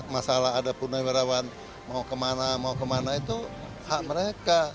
masalah ada purnawirawan mau kemana mau kemana itu hak mereka